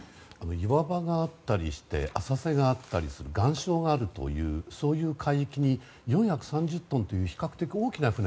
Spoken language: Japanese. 岩場があったり浅瀬があったり岩礁があるというそういう海域に４３０トンという比較的大きな船